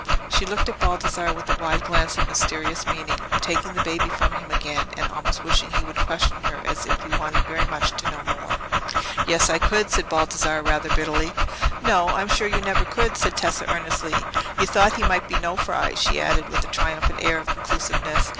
She looked at Baldassarre with a wide glance of mysterious meaning, taking the baby from him again, and almost wishing he would question her as if he wanted very much to know more. "Yes, I could," said Baldassarre, rather bitterly. "No, I'm sure you never could," said Tessa, earnestly. "You thought he might be Nofri," she added, with a triumphant air of conclusiveness.